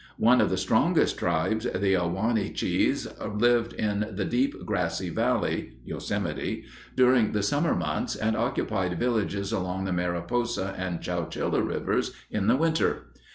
One of the strongest tribes, the Ah wah nee chees, lived in the Deep Grassy Valley (Yosemite) during the summer months and occupied villages along the Mariposa and Chowchilla rivers in the winter.